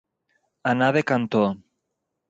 Anar de cantó.